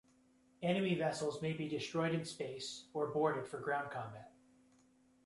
Enemy vessels may be destroyed in space, or boarded for ground combat.